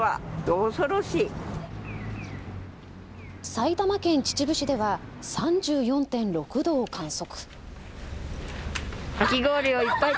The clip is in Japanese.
埼玉県秩父市では３４．６度を観測。